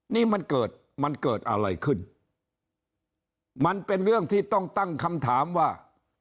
นี่มันเกิดมันเกิดอะไรขึ้นมันเป็นเรื่องที่ต้องตั้งคำถามว่า